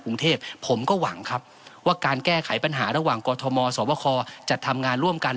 กรุงเทพผมก็หวังครับว่าการแก้ไขปัญหาระหว่างกอทมสวคจะทำงานร่วมกัน